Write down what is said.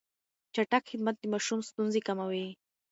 چټک خدمت د ماشوم ستونزې کموي.